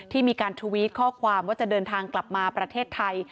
มีการทวิตข้อความว่าจะเดินทางกลับมาประเทศไทย